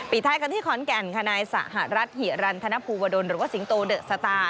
ท้ายกันที่ขอนแก่นค่ะนายสหรัฐหิรันธนภูวดลหรือว่าสิงโตเดอะสตาร์